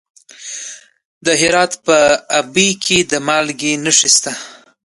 د هرات په اوبې کې د مالګې نښې شته.